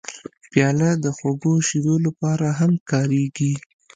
پیاله د خوږو شیدو لپاره هم کارېږي.